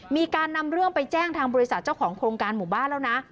มีการนำเรื่องไปแจ้งทางบริษัทเจ้าของโครงการหมู่บ้านแล้วนะ